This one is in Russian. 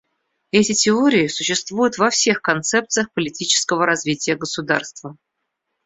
Эти теории существуют во всех концепциях политического развития государства.